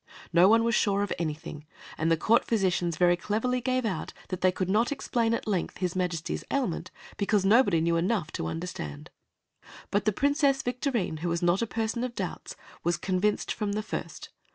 No one was sure of anything, and the court physicians very cleverly gave out that they could not explain at length his Majesty's ailment because nobody knew enough to understand. But the Princess Victorine, who was not a person of doubts, was convinced from the first.